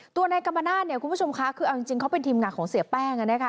ตัวนายกรรมนาศคุณผู้ชมคะคือเอาจริงเขาเป็นทีมงานของเสียแป้ง